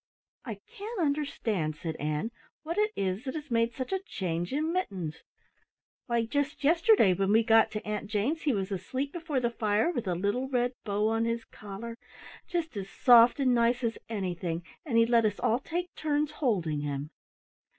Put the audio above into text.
"I can't understand," said Ann, "what it is that has made such a change in Mittens! Why, just yesterday when we got to Aunt Jane's he was asleep before the fire with a little red bow on his collar just as soft and nice as anything, and he let us all take turns holding him!"